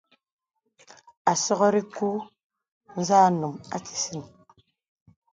Àsɔkri kù za num a kísìn.